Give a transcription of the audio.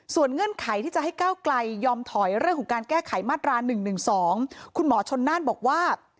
เงื่อนไขที่จะให้ก้าวไกลยอมถอยเรื่องของการแก้ไขมาตรา๑๑๒คุณหมอชนน่านบอกว่า